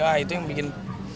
wah itu yang bikin